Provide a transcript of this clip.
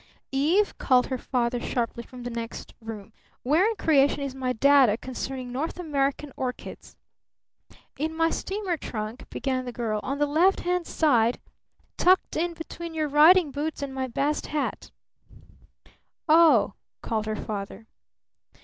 "Eve!" called her father sharply from the next room, "where in creation is my data concerning North American orchids?" "In my steamer trunk," began the girl. "On the left hand side. Tucked in between your riding boots and my best hat." "O h," called her father.